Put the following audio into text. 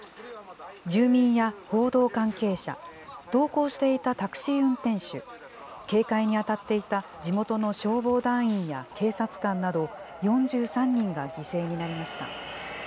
住民や報道関係者、同行していたタクシー運転手、警戒に当たっていた地元の消防団員や警察官など、４３人が犠牲になりました。